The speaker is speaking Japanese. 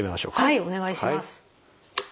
はいお願いします。